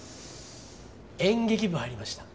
演劇部入りました。